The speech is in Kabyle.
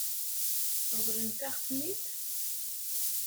Ṛeḍlent-aɣ-ten-id?